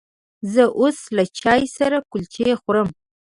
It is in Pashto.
زه اوس له چای سره کلچې خورمه.